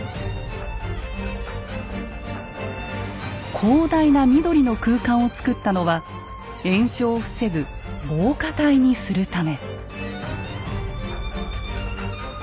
広大な緑の空間を造ったのは延焼を防ぐ防火帯にするため。